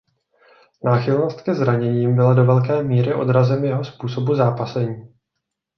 Náchylnost ke zraněním byla do velké míry odrazem jeho způsobu zápasení.